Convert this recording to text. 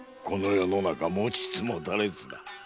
この世の中持ちつ持たれつだ。